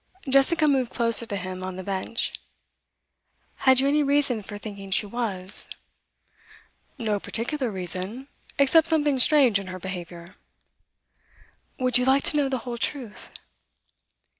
Jessica moved closer to him on the bench. 'Had you any reason for thinking she was?' 'No particular reason, except something strange in her behaviour.' 'Would you like to know the whole truth?